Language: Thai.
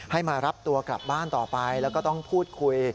มารับตัวกลับบ้านต่อไปแล้วก็ต้องพูดคุย